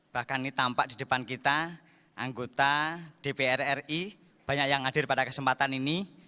bahkan ini tampak di depan kita anggota dpr ri banyak yang hadir pada kesempatan ini